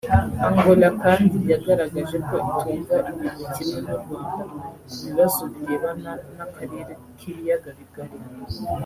Angola kandi yagaragaje ko itumva ibintu kimwe n’u Rwanda ku bibazo birebana n’akarere k’ibiyaga bigari